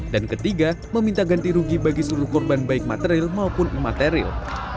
dan ketiga meminta ganti rugi bagi seluruh korban baik material maupun imaterial